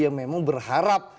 yang memang berharap